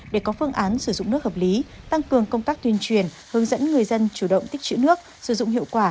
để có phương án sử dụng nước hợp lý tăng cường công tác tuyên truyền hướng dẫn người dân chủ động tích chữ nước sử dụng hiệu quả